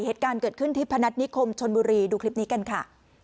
เหตุการณ์เกิดขึ้นที่พนัฐนิคมชนบุรีดูคลิปนี้กันค่ะ